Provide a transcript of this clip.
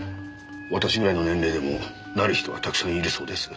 私ぐらいの年齢でもなる人はたくさんいるそうです。